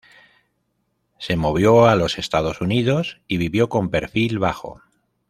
Se movió a los Estados Unidos y vivió con perfil bajo.